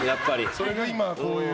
それが今はこういう。